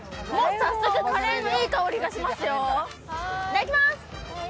早速、カレーのいい香りがしますよ